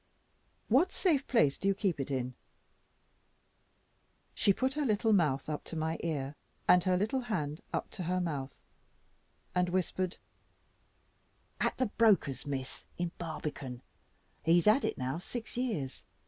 "What safe place do you keep it in?" She put her little mouth up to my ear, and her little hand up to her mouth, and whispered "At the broker's, Miss, in Barbican. He has had it now six years.